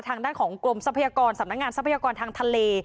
ทางด้านของกรมทรัพยากรสำนักงานทรัพยากรทางทะเล